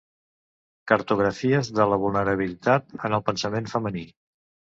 Cartografies de la vulnerabilitat en el pensament femení.